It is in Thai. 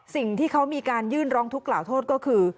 สิ่งที่เขามีการยื่นร้องทุกข์กล่าวโทษก็คือ